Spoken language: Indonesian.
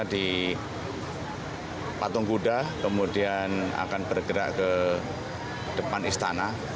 di patung kuda kemudian akan bergerak ke depan istana